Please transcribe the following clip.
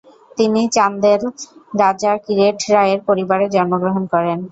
তিনি চান্দেল রাজা কিরেট রায়ের পরিবারে জন্মগ্রহণ করেন।